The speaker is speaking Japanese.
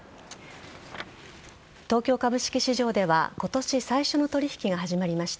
東京株式市場では今年最初の取引が始まりました。